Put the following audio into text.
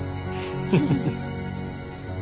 フフフ。